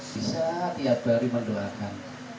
bisa tiap hari mendoakan